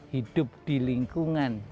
hidup di lingkungan